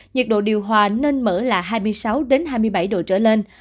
nhiệt độ điều hòa nên mở là hai mươi sáu hai mươi bảy độ trở lên